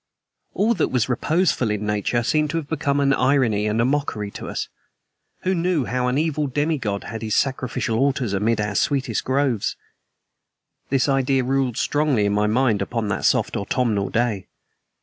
All that was reposeful in nature seemed to have become an irony and a mockery to us who knew how an evil demigod had his sacrificial altars amid our sweetest groves. This idea ruled strongly in my mind upon that soft autumnal day.